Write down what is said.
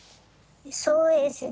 そうですね。